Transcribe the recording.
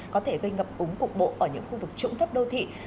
có thể gây ngập úng cục bộ ở những khu vực trũng thấp đô thị